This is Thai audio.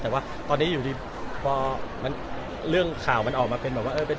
แต่ว่าตอนนี้อยู่ดีพอเรื่องข่าวมันออกมาเป็นแบบว่า